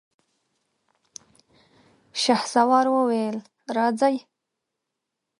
شهسوار وويل: راځئ!